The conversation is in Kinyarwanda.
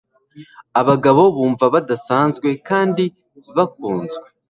abagabo bumva badasanzwe kandi bakunzwe